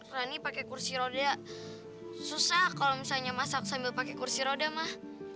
berani pakai kursi roda susah kalau misalnya masak sambil pakai kursi roda mah